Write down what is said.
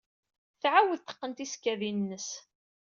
Tɛawed teqqen tisekkadin-nnes.